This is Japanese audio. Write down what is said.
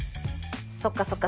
そっかそっか。